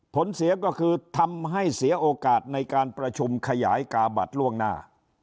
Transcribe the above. ผลเสียก็คือทำให้เสียโอกาสในการประชุมขยายกาบัตรล่วงหน้า